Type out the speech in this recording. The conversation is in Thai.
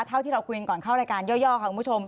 เท่าที่เราคุยกันก่อนเข้ารายการย่อค่ะคุณผู้ชม